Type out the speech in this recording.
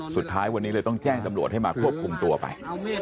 สุดท้ายวันนี้เลยต้องแจ้งตำรวจให้มาควบคุมตัวไป